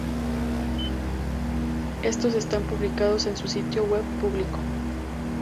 Estos están publicados en su sitio web público.